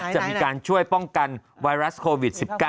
จะมีการช่วยป้องกันไวรัสโควิด๑๙